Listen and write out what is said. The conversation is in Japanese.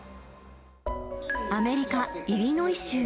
アメリカ・イリノイ州。